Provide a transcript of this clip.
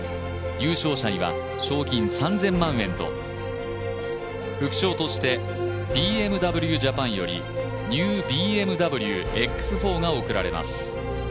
優勝者には賞金３０００万円と副賞としてＢＭＷジャパンよりＮＥＷＢＭＷＸ４が贈られます。